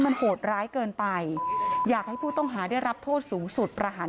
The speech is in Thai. โชว์บ้านในพื้นที่เขารู้สึกยังไงกับเรื่องที่เกิดขึ้น